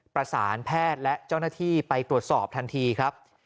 ประสานแพทย์และเจ้าหน้าที่ไปตรวจสอบทันทีครับ